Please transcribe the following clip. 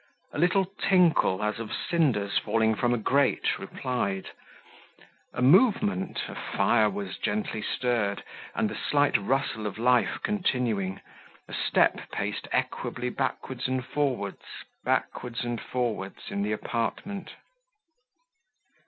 A little tinkle, as of cinders falling from a grate, replied; a movement a fire was gently stirred; and the slight rustle of life continuing, a step paced equably backwards and forwards, backwards and forwards, in the apartment.